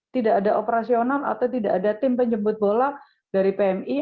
tidak ada operasional atau tidak ada tim penjemput bola dari pmi